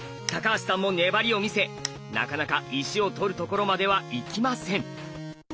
橋さんも粘りをみせなかなか石を取るところまではいきません。